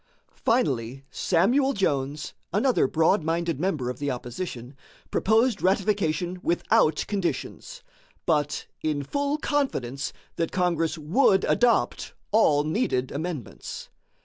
Finally, Samuel Jones, another broad minded member of the opposition, proposed ratification without conditions, but "in full confidence" that Congress would adopt all needed amendments.